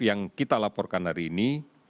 yang kita laporkan hari ini